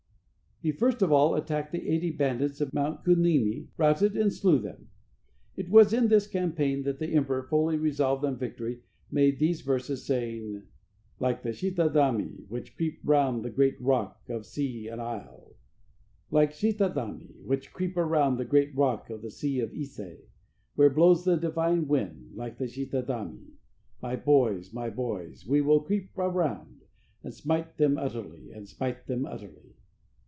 He first of all attacked the eighty bandits at Mount Kunimi, routed and slew them. It was in this campaign that the emperor, fully resolved on victory, made these verses, saying: "Like the Shitadami Which creep round The great rock Of the Sea of Ise, Where blows the divine wind Like the Shitadami, My boys! My boys! We will creep around And smite them utterly, And smite them utterly."